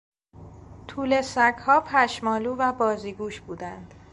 توله سگها پشمالو و بازیگوش بودند.